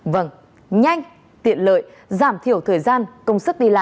vâng nhanh tiện lợi giảm thiểu thời gian công sức đi lại